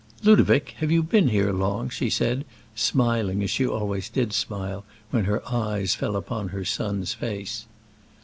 "Ludovic, have you been here long?" she said, smiling as she always did smile when her eyes fell upon her son's face.